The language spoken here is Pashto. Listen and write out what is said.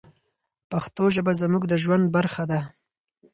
پښتو ژبه زموږ د ژوند برخه ده.